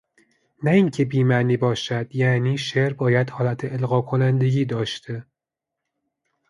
نه اینکه بی معنی باشد یعنی شعر باید حالت القا کنندگی داشته